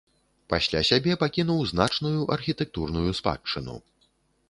Пасля сябе пакінуў значную архітэктурную спадчыну.